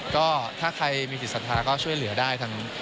ก็ถ้าใครมีศิษภาทคือช่วยเหลือได้ทาง